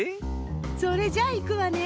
それじゃいくわね。